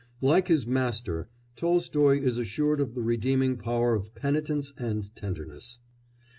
Like his Master, Tolstoy is assured of the redeeming power of penitence and tenderness.